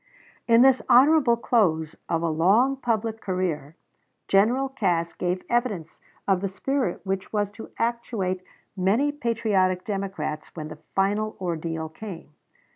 In this honorable close of a long public career, General Cass gave evidence of the spirit which was to actuate many patriotic Democrats when the final ordeal came.